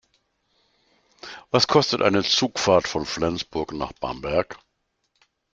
Was kostet eine Zugfahrt von Flensburg nach Bamberg?